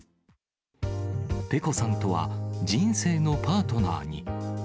ペコさんとは人生のパートナーに。